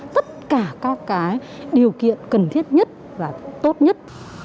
tất cả các cái điều kiện cần thiết nhất và tốt nhất